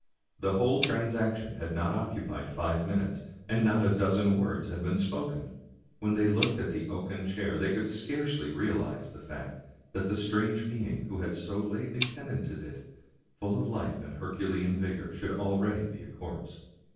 The whole transaction had not occupied five minutes, and not a dozen words had been spoken. When they looked at the oaken chair they could scarcely realize the fact that the strange being who had so lately tenanted it, full of life and Herculean vigor, should already be a corpse.